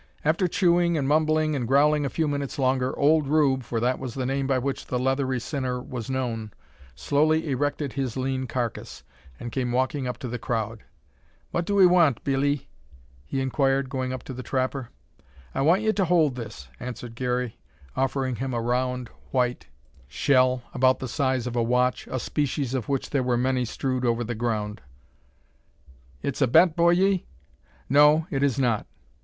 After chewing, and mumbling, and growling a few minutes longer, old Rube, for that was the name by which the leathery sinner was known, slowly erected his lean carcass; and came walking up to the crowd. "What do 'ee want, Billee?" he inquired, going up to the trapper. "I want ye to hold this," answered Garey, offering him a round white shell, about the size of a watch, a species of which there were many strewed over the ground. "It's a bet, boyee?" "No, it is not."